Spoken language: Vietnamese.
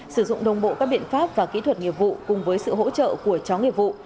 sử dụng đồng bộ các biện pháp và kỹ thuật nghiệp vụ cùng với sự hỗ trợ của chó nghiệp vụ